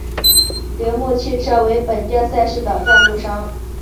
铃木汽车为本届赛事的赞助商。